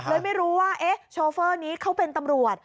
เลยไม่รู้ว่าโชเฟอร์นี้เขาเป็นตำรวจ